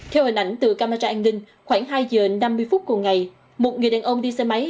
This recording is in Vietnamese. theo hình ảnh từ camera an ninh khoảng hai giờ năm mươi phút cùng ngày một người đàn ông đi xe máy